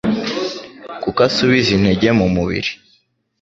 kuko asubiza intege mu mubiri.